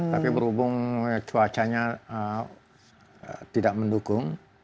tapi berhubung cuacanya tidak mendukung